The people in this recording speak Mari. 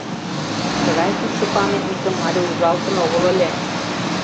Тыгай кӱкшӧ памятникым але ужалтын огыл ыле.